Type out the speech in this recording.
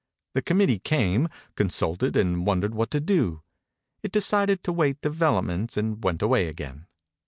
The committee came, con sulted and wondered what to do. It decided to await develop ments, and went away again.